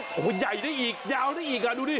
เฮ้ยมันใหญ่ได้อีกยาวได้อีกดูดิ